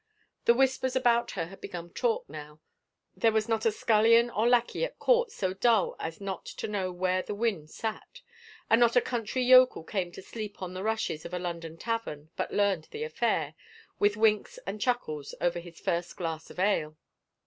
The whispers about her had become talk now : there was not a scullion or lackey at court so dull as not to know where the wind sat, and not a country yokel come to sleep on the rushes of a Lx)ndon tavern but learned the affair, with winks and chuckles, over his first glass of ale.